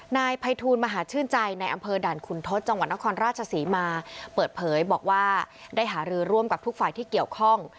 นายภัยทูลมหาชื่นใจในอำเภอด่านขุนทศจังหวัดนครราชศรีมาเปิดเผยบอกว่าได้หารือร่วมกับทุกฝ่ายที่เกี่ยวข้อง